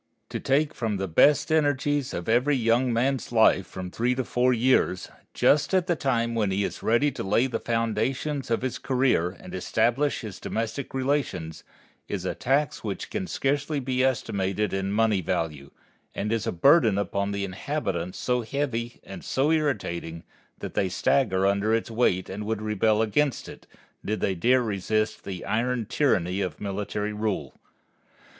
To take from the best energies of every young man's life from three to four years, just at the time when he is ready to lay the foundations of his career and establish his domestic relations, is a tax which can scarcely be estimated in money value, and is a burden upon the inhabitants so heavy and so irritating that they stagger under its weight and would rebel against it, did they dare resist the iron tyranny of military rule.